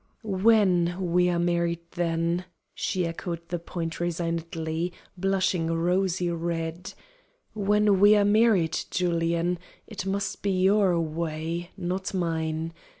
"When we are married, then," she ceded the point resignedly, blushing rosy red "when we are married, Julian, it must be your way, not mine.